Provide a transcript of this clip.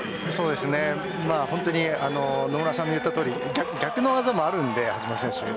本当に野村さんの言ったとおり逆の技もあるので橋本選手には。